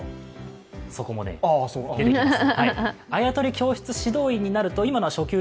そこもね、出てきます。